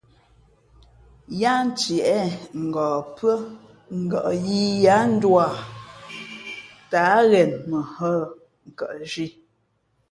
Yáá ntieʼ ngαh pʉ́ά ngα̌ yīī ya ndū tα á ghen mα nhᾱ, nkαʼzhi.